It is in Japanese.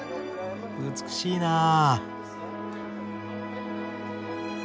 美しいなあ。